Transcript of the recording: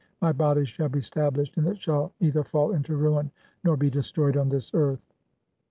"My body shall be stablished, and it shall neither fall into ruin "(21) nor be destroyed on this earth."